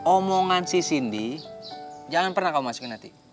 omongan si sindi jangan pernah kamu masukin hati